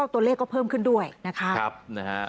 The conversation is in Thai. ตัวเลขก็เพิ่มขึ้นด้วยนะคะ